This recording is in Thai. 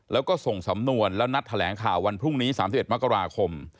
แล้วก็ส่งสำนวนแล้วนัดแถลงข่าววันพรุ่งนี้๓๑มกราคม